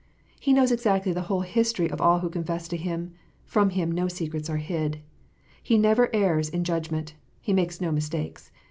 He knows exactly the whole history of all who confess to Him : from Him no secrets are hid. He never errs in judgment : He makes no mistakes.